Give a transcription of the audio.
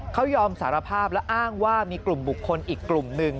เขายอมสารภาพและอ้างว่ามีกลุ่มบุคคลอีกกลุ่มหนึ่ง